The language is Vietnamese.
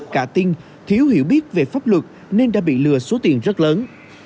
cả tinh thiếu hiểu biết về pháp luật nên đã bị lừa số tiền rất lớn